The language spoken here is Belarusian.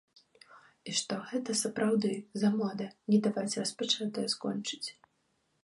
І што гэта, сапраўды, за мода не даваць распачатае скончыць.